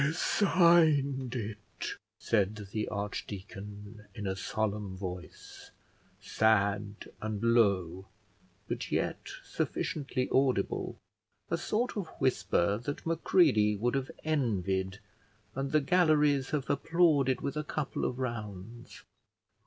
"Resigned it!" said the archdeacon, in a solemn voice, sad and low, but yet sufficiently audible, a sort of whisper that Macready would have envied, and the galleries have applauded with a couple of rounds.